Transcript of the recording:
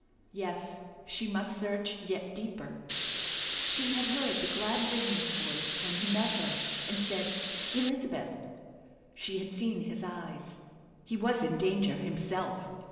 Yes, she must search yet deeper. She had heard the glad ring in his voice when he met her, and said, "Elizabeth!" She had seen his eyes. He was in danger himself.